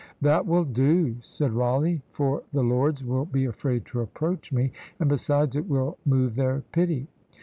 "That will do!" said Rawleigh, "for the lords will be afraid to approach me, and besides it will move their pity."